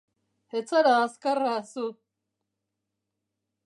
Ez zara azkarra, zu!